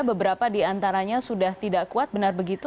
beberapa diantaranya sudah tidak kuat benar begitu